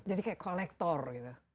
jadi kayak kolektor gitu